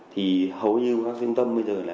thì hầu như các doanh tâm bây giờ là